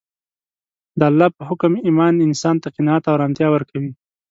د الله په حکم ایمان انسان ته قناعت او ارامتیا ورکوي